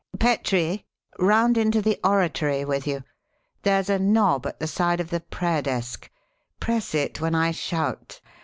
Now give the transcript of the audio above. "Petrie! round into the oratory with you. There's a nob at the side of the prayer desk press it when I shout.